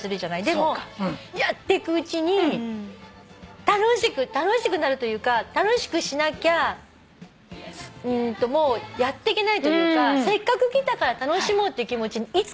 でもやってくうちに楽しくなるというか楽しくしなきゃもうやってけないというかせっかく来たから楽しもうって気持ちにいつかなるんです。